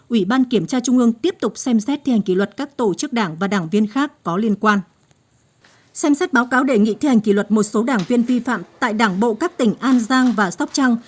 ủy ban kiểm tra trung ương tiếp tục xem xét thi hành kỷ luật các tổ chức đảng và đảng viên khác có liên quan